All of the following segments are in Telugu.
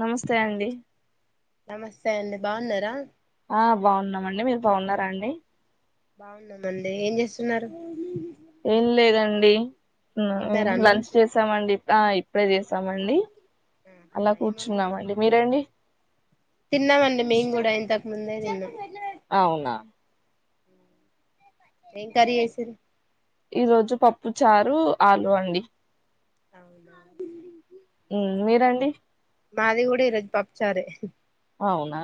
నమస్తే అండి నమస్తే అండి బాగున్నారా ఆ బాగున్నామండి మీరు బాగున్నారా అండి బాగున్నాంమండి ఏం చేసున్నారు ఏం లేదండి ఉమ్ తిన్నారా అన్నం లంచ్ చేసామండి ఆ ఇప్ ఇప్పుడే చేస్ సమండి ఆహా అలా ఏమండిరు కూర్చున్నామండి మీరండి తిన్నామండి మేము గుడా ఇంతకు ముందే తిన్నాం అవునా ఎం కర్రీ చేసిర్రు ఈ రోజు పప్పు చారు ఆలు అండి అవున ఉమ్ మీరండి మాది గూడ ఈ రోజు పప్పుచరే అవునా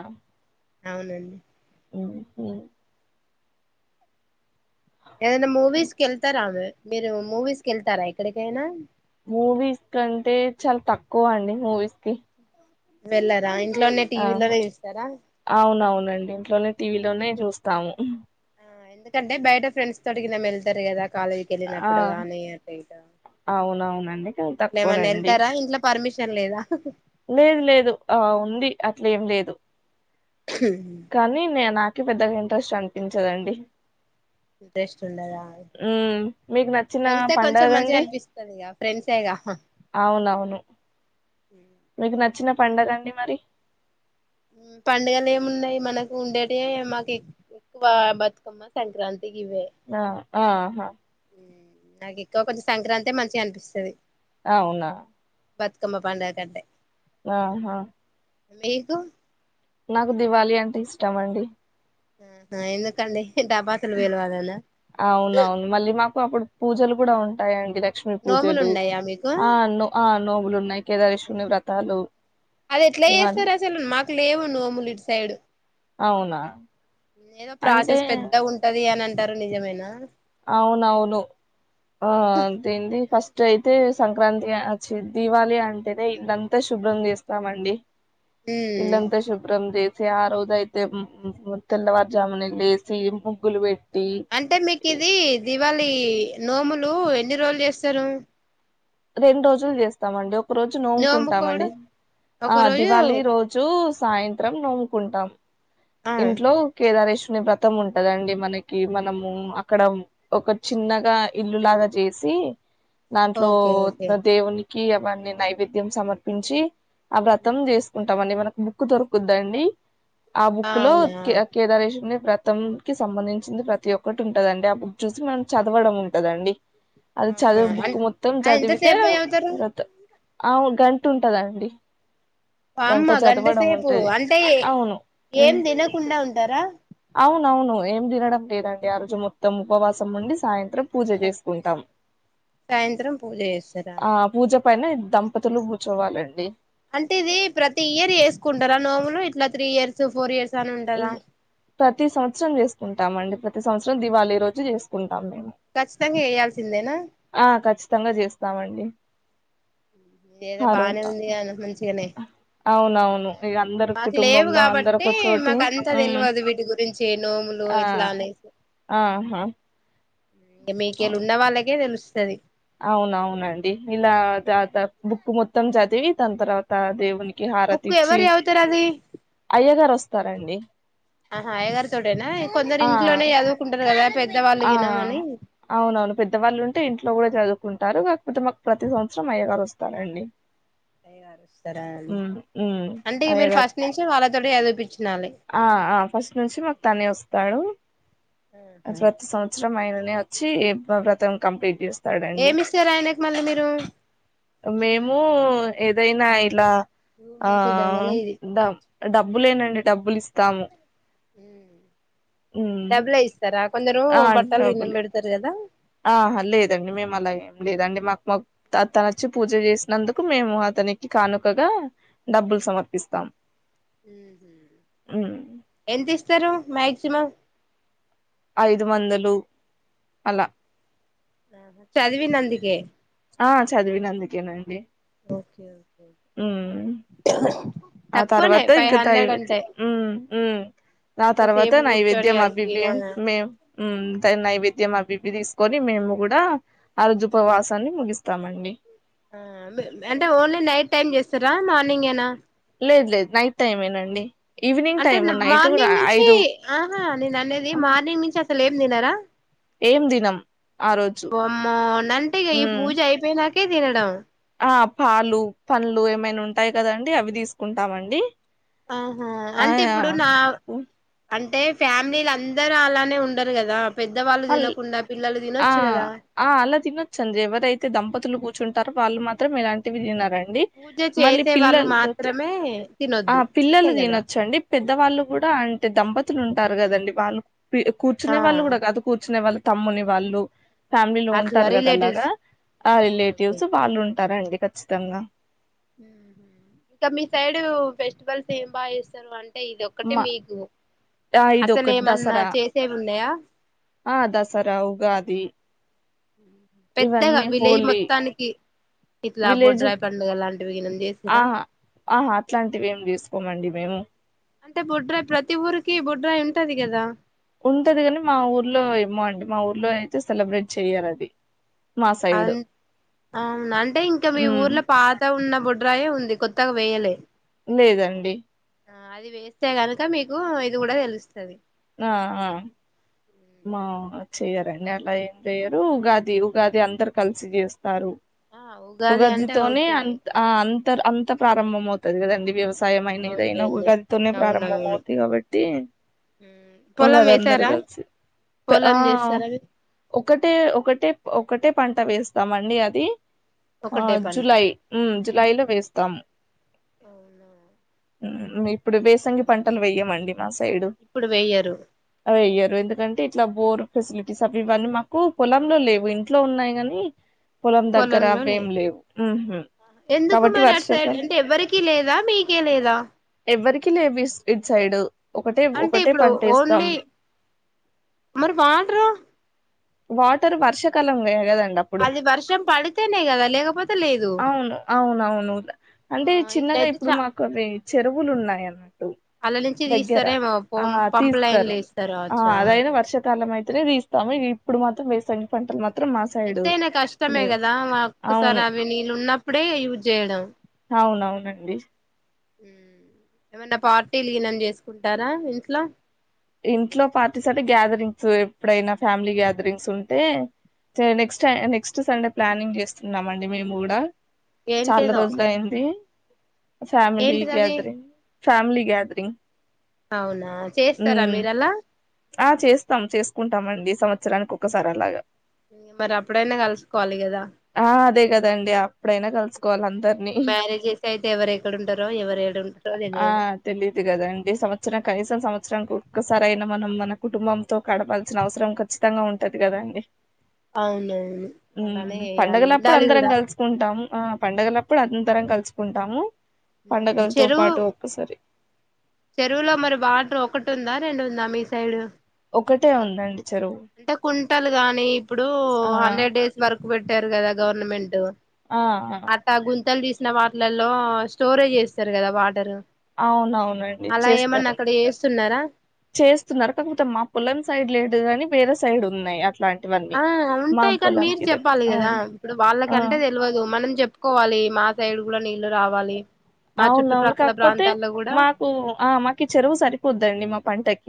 అవునండి ఉహు ఏదైన్నా మూవీస్ కెళ్తారామె మీరు మూవీస్కిళ్తారా ఎక్కడికైనా మూవీస్ కంటే చాలా తక్కువ అండి మూవీస్ కి వెళ్లరా ఆహా అవునవునం ఇంట్లోనే టీవీలోనే చూస్తాము ఆ ఎందుకంటే బయట ఫ్రెండ్స్ తోటిగీన్న వెళ్తారు కదా కాలేజీకి ఆ ఏళ్ళినప్పుడు కానీ అటా ఇటా అవునవునండి కానీ అట్లా ఏమన్నా తక్కువనండి వెళ్తారా ఇంట్లో పర్మిష్ తిన్ లేదా లేదు లేదు ఆ ఉంది అట్ల ఏం లేదు కనీ నేనాక్ పెద్దగా ఇంట్రెస్ట్ అనిపించదండి ఇంట్రెస్ట్ ఉండదా ఉమ్ మీకు నచ్చిన వెళ్తే కొంచం మంచిగా పండగండి అనిపిస్తది గా ఫ్రెండ్సేగా అవునవును మీకు నా నచ్చిన పండగ అండి మరి పండుగలు ఏమున్నాయి మనకు ఉండేటివే మాకు ఎక్కువ బతుకమ్మ సంక్రాంతి. గివే ఆ ఆహా నాకు ఎక్కువ సంక్రాంతి మంచిగా అనిపిస్తది. ఆవునా బతుకమ్మ పండగ కంటే. ఆహా. మీకు నాకు దివాళి అంటే ఇష్టమండి. ఆహా ఎందుకండీ. టపాసులు పెలవలానా అవునవును మళ్ళీ మాకు అప్పుడు పూజలు కూడా ఉంటాయండి. లక్ష్మీ నోములు పూజలు ఉన్నాయా మీకు ఆ నో నోములు ఉన్నాయి. కేదారేశ్వరుని వ్రతాలు అది ఎట్లా ఇవన్నీ చేస్తారు అసలు మాకు లేవు నోములు ఇటు సైడ్. అవునా ఏదో అంటే ప్రాసెస్ పెద్దగా ఉంటది అనింత. ఇంటారు నిజమేనా. అవునవును. ఆ అంతేంది ఫస్ట్ అయితే. సంక్రాంతి వచ్చి దీవాళి అంటేనే ఇల్లంతా శుభ్రం చేస్తామండి. ఉమ్ ఇల్లంతా శుభ్రం దే. ఆ రోజు అయితే తెల్లవారుజామున లేసి ముగ్గులు వెట్టి. అంటే మీకు. కిదిీ దీవాలి కి. నోములు ఎన్ని రోజులు చేస్తారు. రెండు రోజులు చేస్తామండి ఒక. ఒక రోజు నో్ముకుంటామండి నోముకోవడం ఒక ఆ రోజు దివాళి రోజు. సాయంత్రం నోముకుంటాం. ఆ ఇంట్లో కేదారేశ్వ వ్రతం ఉంటదండి మనకి మనము అక్కడ ఒక చిన్నగా ఇల్లులాగా చేసి. దాంట్లో ఓకే ఓకే దేవుని. క అవన్ని నైవేద్యం సమర్పించి. ఆ వ్రతం చేసుకుంటాం అండి మన. బుక్ దొరుకుద్దండి. క్ లో అవునా కేదారేష వ్రతం కి సంబంధించింది ప్రతి ఒక్కటి ఉంటదండి ఆ బుక్ చూసి మనం చదవడం ఉంటదండి. అది ఆహా చదువు బుక్ మొత్తం అ చదివితే ఎంతసేపు చదువుతారు వ్రతం. ఆ ఒ గంట ఉంటదండి వామ్మ గంట చదవడం గంటసేపూ ఉంటది అంటే అవును ఏం ఉమ్ తినకుండ ఉంటరా వును ఏం తినడం లేదండి ఆ రోజు మొత్తం ఉపవాసం ఉండి సాయంత్ మ్ పూజ చేసుకుంటాం సాయంత్రం పూజ చేస్తారా ఆ పూజ పైన దంపతులు కూర్చోవాలండి అంటె ఇది ప్రతి ఇయర్ చేస్కుంటరా నోములు ఇట్ల త్రీ ఇయర్స్, ఫోర్ ఇయర్ ఇ ప్రతి సౌస్త్రం చేస్కుం టామండి ప్రతిసౌస్రం దివాళీరోజు చేస్కుం మ్ ఖచ్చితంగా చేయాల్సిందేనా ఆ ఖచ్చితంగ చేస్తామండి ఎదో ఆ బానే రోజు ఉంది గా మంచి అవునవును ఇగ అందరు మాకు లేవు కుటుంబంలో కాబట్టి అందరొక చోటె మాకు అంతా హమ్ తెలవదు వీటి గురించి నోములు ఆ ఇట్లా ఆహా క మీకేలి ఉన్న వాళ్ళకే తెలుస్ తది అవున అవునండి ఇలా జతా బుక్ మొత్తం చదివి దాని తర్వాత దేవుని బుక్ ఎవరు జవుతరండి అయ్యగారు వస్తారండి ఆహా అయగారుతోటేనా కొందరు ఆ ఇంట్లోనే చదువుకుంటరు కదా పెద్దవాళ్ళు ఆ గినమని అవునవును పెద్దవాళ్ళు ఉంటె ఇంట్ ట్లో గుడా చదువుకుంటారు కాక్పోతే మాకు ప్రతి సౌస్రం అయ్యగారు ఒస్తారండి గారు స్తరా ఉమ్ అంటే ఇగ మీరు అయ్యగారు ఫస్ట్ నించి వాళ్ళతోటే చదిపించినారు ఆ ఆ ఫస్ట్ నుంచి మాక్ తనే ఒస్తాడు ప్రతి సౌస్రం అయన నే ఒచ్చి వ్రతం కంప్లీట్ చేస్ ఏమిస్తరు ఆయనకు మళ్ళ మీరూ మేము ఏదైనా ఇలా ఆ దగలే ఇది డబ్ డబ్బులేనండి డబ్బులు ఇస్తాము ఉమ్ డబ్లే ఇస్తరా కొందరూ ఆ బట్టలు గిన్నం డబ్బులే పెడ్తరు గదా ఆహా లేదండి మేమలాగేం లేదండి మాకు మోత్ త తనచ్చి పూజ చేసినందుకు మేము అతనికి కానుకగా డబ్బులు సమర్పిస్తాం ఉమ్ ఎంత ఇస్తరు మ్యాగ్ సిమం ఐదు వందలు అలా చదివినందికే ఆ చదివినందుకేనండి ఉ ఆ తక్కువనే తర్వాత ఫైవ్ ఇంకా థై హండ్రెడ్ అంటే ఉ ఆ తర్వాత అంతసేపు కూర్చొని నైవేద్యం అబిబి చదివి మే నైవేద్యం బిబ తీసుకొని మేము కూడా ఆ రజు ఉపవాసాన్ని ముగిస్తామండి అంటే ఓన్లీ నైట్ టైమ్ చేస్తారా మార్నింగ్ ఏనా లేదు లేదు నైట్ టైం ఏనండి అంటే మార్నింగ్ నుంచి ఆహా నేను అనేది మార్నింగ్ నుంచి అసలు ఏం తినరా ఏం తినం ఆ రోజు బొమ్మ నంటేగా ఈ ఉమ్ పూజ అయిపోయి నాక కి తినడం ఆ పాలు పండ్లు ఏమైనా ఉంటాయి కదండి అవి తీసుకుంటామండి ఆహా ఆ అంటే ఇప్పుడు నా అంటే ఫ్యామిలీలు అందరూ అలానే ఉండరు కదా పెద్దవాళ్ళు అల్ తినకుండా పిల్లలు ఆ తినొచ్చు కదా ఆ అలా తినొచ్చ అండి ఎవరైతే దంపతులు కూర్ కూర్చుంటారో వాళ్ళు మాత్రం ఇలాంటివి తినారండి పూజ చేసే వాళ్ళు మాత్రమే ఆ తినొద్దు అంతే పిల్లలు కదా తినొచ్చండి పెద్దవాళ్ళు కూడా అంటే దంపతులు ఉంటారు కదండి వాళ్ళు ఆ కూర్చునే వాళ్ళు కూడా కాదు కూర్చునే వాళ్ళు తమ్ముని వాళ్ళు ఫ్యామిలీ లో అట్లా ఉంటారు కదా రిలేటివ్స్ అలాగా ఆ ఓకే ఓకే రిలేటివ్స్ వాళ్ళు ఉంటారా అండి ఖచ్చితంగా ఇంకా మీ సైడ్ ఫెస్టివల్స్ ఏం బాగా చేస్తారు అంటే ఇది ఒక్కటి మా మీకు ఆ ఇది అసలు ఒకటి ఏమన్నా దసరా చేసేవి ఉన్నాయా ఆ దసరా ఉగాది పెద్దగా ఇవన్నీ విలేజ్ హోలీ మొత్తానికి ఇట్లా బో విలేజ్ డ్రాై పండుగ అలాంటివినం చేసనా ఆహా ఆహా అట్లాంటివి ఏం చేసుకోమండి మేము అంటే బుడ్రాయ్ ప్రతి ఊరికి బుడ్రాయి ఉంటది కదా ఉంటది కాని మా ఊర్లో ఏమో అండి మా ఊర్లో అయితే సెలబ్రేట్ చెయ్యరు అది మా అ సైడ్ అవును అంటే ఇంకా మీ ఉమ్ ఊర్లో పాత ఉన్న బుడ్రాయ ఉంది కొత్తగా వేయలే లేదండి ఆ అది వేస్తే గనుక మీకు ఇది కూడా తెలుస్తుంది ఆ ఆ మా చెయ్యరండి అట్లా ఏం చెయ్యరు ఉగాది ఉగాది అందరు కలిసి చేస్తారు ఆ ఉగాది అంటే ఉగాదితోనే ఓకే అంత అం అంత ప్రారంభం అవుతుంది కద వ్యవస్థ సాయంమైన ఏదైనా ఒక అవునులేండి గదితోనే ప్రారంభం అవునవును అవుత కాబట్టి మ్ పొలం ఒకది అందరు వేసారా కలిసి ప ఆ పొలం చేస్తారా మీరు ఒకటే ఒకటే ఒక్కటే పంట వేస్తాం అండి అది ఆ ఒకటే పంట జూలై జూలైలో వేస్తాము అవునా ఇప్పుడు వేసంగి పంటలు వేయ్యమండి మాసు సైడు ఇప్పుడు వెయ్యరు అవి వెయ్యరు ఎందుకంటే ఇట్లా బోర్ ఫెసిలిటీస్ అవి ఇవన్నీ మాకు పొలంలో లేవు ఇంట్లో ఉన్నాయి కాని పొలంలో లేదు ఎందుకు కాబట్టి మరి అటు సైడ్ వర్షాకాలం అంటే ఎవ్వరికీ లేదా మీకే లేదా కి లేవి స్ ఇటు సైడ్ ఒకటే అంటే ఒకటే ఇప్పుడు పంటేస్తాం ఓన్లీ మరి వాడరా వాటర్ వర్షాకాలంవే గదాండి డప్పుడు అది వర్షం పడితేనే కదా లేకపోతే లేదు అవును అవునవును ఆ అంటే చిన్నగా ఇట్లయితే ఇప్పుడు చ మాకు అవి చెరువులు ఉన్నాయి అన్నట్టు అల్ల నుంచి దగ్గర తీస్తారేమో ఆ పొం పంప్ లైన్లు తీస్తారు ఏస్తారు ఆ కావచ్చు అదైనా వర్షాకాలం అయి తనే తీస్తాము ఇగ ఇ ఇప్పుడు మాత్రం వేసంగి పంటలు మాం ఎంతైనా కష్టమే కదా వ అవును ఒక్కసారి అవి నీళ్ళు ఉన్నప్పుడే యూజ్ చేయడం అవునవునండి ఫార్టీలు ఈనం చేసుకుంటారా ఇంట్లో ఇంట్లో పార్టీస్ అంటే గ్యాదరింగ్స్ ఎప్పుడైనా ఫ్యామిలీ గ్యాదరింగ్స్ ఉంటే చే నెక్స్ట్ టై నెక్స్ట్ సండే ప్లానింగ్ చేస్తున్నాం అండి మేము కూడా చాలా ఏంటిదో రోజులు అయింది ఫ్యామిలీ ఏంటిది అది గ్యాదరి ఫ్యామిలీ గ్యాదరింగ్ అవునా చేస్తారా ఉమ్ మీర లా ఆ చేస్తాం చేసుకుంటామండి సంవత్సరానికి ఒకసారి అలాగా మరి అప్పుడైనా కలుసుకోవాలి కదా ఆ అదే కదండి అప్పుడైనా కలుసుకోవాలి అందరినీ మ్యారేజ్ చేసి అయితే ఎవరు ఎక్కడ ఉంటారో ఎవరు ఏడ ఉంటారో ఆ తెలియదు తెలీదు కదాండి సంవత్సరం కనీసం సంవత్సరంకు కు సరైనా మనం మన కుటుంబంతో కడపల్సిన అవసరం ఖచ్చితంగా ఉంటది కదండి అవునవును అలానే మ్మ్ చేయాలి పండగలప్పుడు ఉండాలి అందరం కూడా కలుసుకుంటాము ఆ పండగలప్పుడు అందరం కలుసుకుంటాము పండగలతో చెరువు పాటు ఒక్కసారి చెరువులో మరి వాటర్ ఒకటి ఉందా రెండు ఉందా మీ సైడ్ ఒకటే ఉందండి చెరువు అంటే కుంటల్ గాని ఇప్పుడు ఆ హండ్రెడ్ డేస్ వరకు పెట్ పెట్టారు కదా గవర్నమెంట్ ఆ ఆ! అ క గుంతల ది సు చిన్న వాటిలల్లో స్టోరేజ్ చేస్తారు. కదా వాటర్ అవునవునండి. అలా ఏమన్నా చేస్తారు అక్కడ చేస్తున్నారా చేస్తున్నారు. కాకపోతే మా పొలం సైడ్ లేదు కాని వేరే సైడ్ ఉన్నాయి. అ ఆ ఉంటాయి. కానీ మీరు దగ్గర చెప్పాలి. ఆ కదా ఇప్పుడు ఆ వాళ్ళకంటే తెలియదు మనం చెప్పుకోవాలి మా సైడ్ కూడా నీళ్లు రావ్ వాళి అవునవును కాకపోతే మాకు ఆ మాకు ఈ చెరువు సరిపోద్దండి. మా పంటకి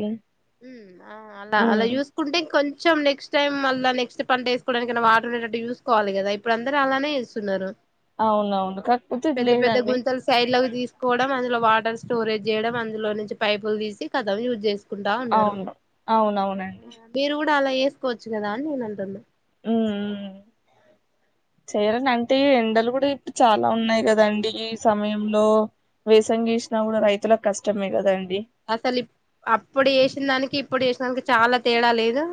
ఉ ఆ అలా అలా ఉమ్ చూసుకుంటే కొంచం కొంచెం నెక్స్ట్ టైం మళ్ల నెక్స్ట్ పంట వేసుకోవడానికై వాటర్నేటటు చూసుకోవాలి కదా ఇప్పుడు అందరు అలానే చేస్తున్నారు. అవునవును కాకపోతే ఇది పెద్ద పెద్ద లేదండి గుంతలు సైడ్ లోకి తీసుకోవడం అందులో వాటర్ స్టోరేజ్ చేయడం అందులో నుంచి పైపులు తీసి కథం యూజ్ చేస్త అవును అవునవునండి. మీరు అలా చేసుకోవచ్చు కదా అని నేను అంటున్నా ఉ ఉమ్ చేయాలంటే ఎండలు కూడా ఇప్పుడు చాలా ఉన్నాయి. కదండి ఈ సమయంలో వేసంగీ వేసిన కూడా రైతులకు కష్టమే కదండి. అసలు ఇప్పు అప్పుడు చేసిన దానికి ఇప్పుడు చేేసినానికి చాలా తేడా లేదు.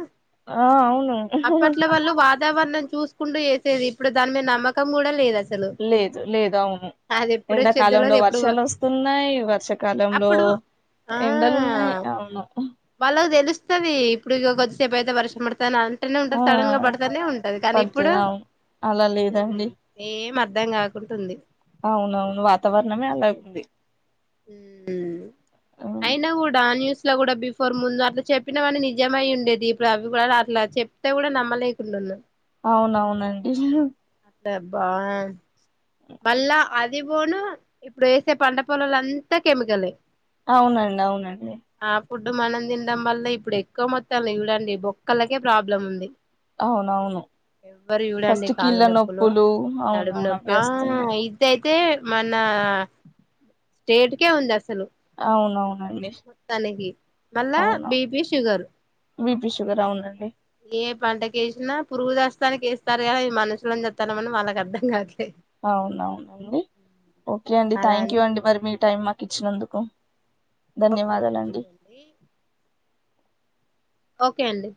ఆ అవును వాతవరణం చూసుకుంటూ చేసేది ఇప్పుడు దాని మీద నమ్మంకం కూడా లేదు. అసల్ లేదు లేదు అవును ఎండాకాలంలో వచ్చేద్దులోది ఎప్పుడు వర్షాలు వస్తున్నాయి. వర్షాకాలంలో అప్పుడు ఆ ఎండలు ఉన్నాయి. అవును వాళ్ళకి తెలుస్తది. ఇప్పుడు ఇక కొద్దిసేపు అయితే వర్షం పడతాది నే ఉంట ఆ సడన్ గా పడతానే ఉంటది. కానీ ఇప్పుడు పడుతది అవును అలా లేదండి ఏమ్ అర్థం అర్ధం కాకుంటుంది. అవునవును వాతావరణమే అలాగా ఉంది. ఉ అయినా కూడా న్యూస్ లో కూడా బిఫోర్ ముందు అట్లా చెప్పిన వాడి నిజమయ్ ఉండేది. ఇప్పుడు అవి కూడా అట్లా చెప్తే కూడా నమ్మలేకుండా అవునవునండి. దెబ్బా మళ్ళా అది పోను ఇప్పుడు వేసే పంట పొలాల అంతా కెమికలే అవునండి. అవునండి. ఆ ఫుడ్ మనం తినడం వల్ల ఇప్పుడు ఎక్కువ మొత్తం చూడండి. బొక్కలకే ప్రాబ్లం ఉంది. అవునవును. ఎవ్వరు చూడండి ఫస్ట్ కాళ్ళ కీళ్ళ నొప్పులు నడుము అవునవున నొప్పి ఆ ఐతే అయితే మన స్టేట్కే ఉందా అసలు అవునవునండి మొత్తానికి మళ్ళా బీపి షుగర్ బిపి షుగర్ అవునండి ఏ పంటకేసినా పురుగుచస్తానికి వేస్తారు కదా ఈ మనుషులని చూస్తామని వాళ్ళకి అర్థం కాదు అవునవునండి ఒకే అండి థ్యాంక్ అలానే యూ అండి మరి మీ టైమ్ మాకి ఇచ్చినందుకు ఒక్క ధన్యవాదాలండి నిమిషం అండి ఒకే అండి